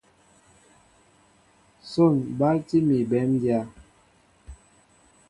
Son balti mi béndya.